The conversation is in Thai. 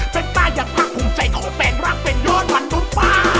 เป็นตาอย่างภาคภูมิใจของแฟนรักเป็นยอดมนุษย์ป้า